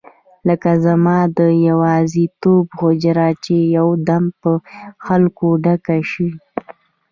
لکه زما د یوازیتوب حجره چې یو دم په خلکو ډکه شي.